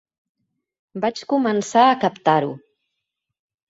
Vaig començar a captar-ho.